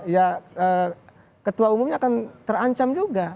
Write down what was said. ya ketua umumnya akan terancam juga